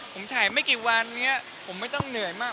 ผมถ่ายไม่กี่วันอย่างนี้ผมไม่ต้องเหนื่อยมาก